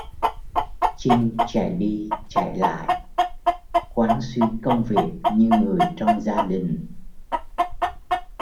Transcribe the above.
Chinh Chạy đi chạy lại quán xuyến công việc như người trong gia đình